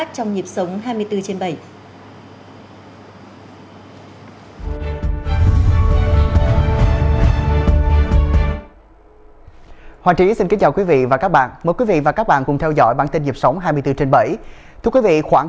trong dịp sống hai mươi bốn trên bảy